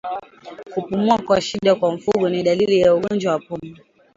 Kupumua kwa shida kwa mfugo ni dalili ya ugonjwa wa pumu